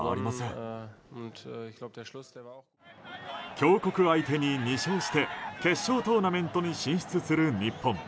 強国相手に２勝して決勝トーナメントに進出する日本。